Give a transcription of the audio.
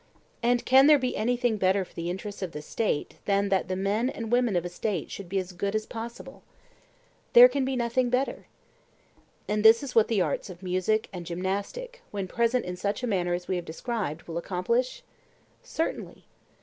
And can there be anything better for the interests of the State than that the men and women of a State should be as good as possible? There can be nothing better. And this is what the arts of music and gymnastic, when present in such manner as we have described, will accomplish? Certainly.